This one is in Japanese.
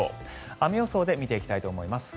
雨予想で見ていきたいと思います。